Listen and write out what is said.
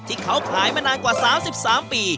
ที่เขาขายมานานกว่า๓๓ปี